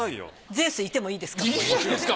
ゼウスいてもいいですか？